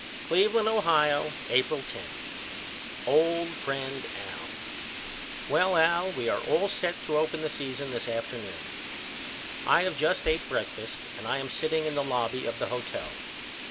Cleveland, Ohio, April 10. OLD FRIEND AL: Well Al we are all set to open the season this afternoon. I have just ate breakfast and I am sitting in the lobby of the hotel.